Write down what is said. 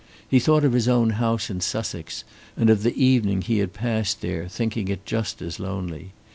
He thought of his own house in Sussex and of the evening he had passed there, thinking it just as lonely.